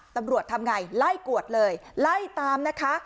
ตำรวจทำไงไล่กวดเลยไล่ตามนะคะ